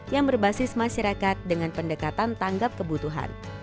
yang berbasis masyarakat dengan pendekatan tanggap kebutuhan